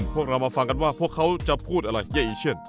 พวกเรามาฟังกันว่าพวกเขาจะพูดอะไรเย่อีเชียน